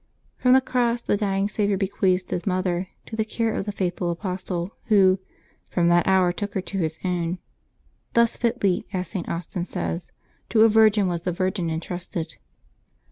From the cross the dying Saviour bequeathed His Mother to the care of the faithful apostle, who " from that hour took her to his own ;" thus fitlv, as St. Austin says, "to a virgin was the Virgin intrusted."